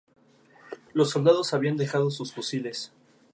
A cambio, son honrados con inscripciones y estatuas.